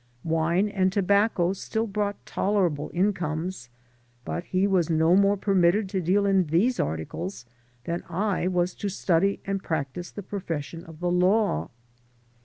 Wine and tobacco still brought tolerable incomes, but he was no more permitted to deal in these articles than I was to study and practise the profession of the law.